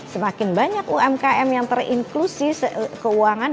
semakin banyak umkm yang terinklusi keuangan